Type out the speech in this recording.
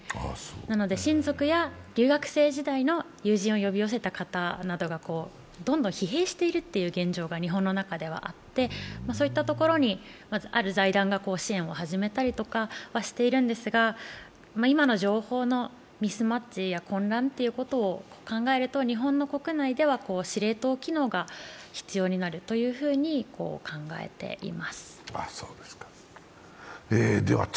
なので親族や留学生時代の友人を呼び寄せた方などがどんどん疲弊しているという現状が日本の中ではあって、そういったところにある財団が支援を始めたりとかはしているんですが、今の情報のミスマッチや混乱を考えると日本の国内では司令塔機能が必要になると考えています。